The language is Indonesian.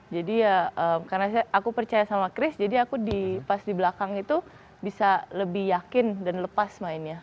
jadi ya karena aku percaya sama chris jadi aku pas di belakang itu bisa lebih yakin dan lepas mainnya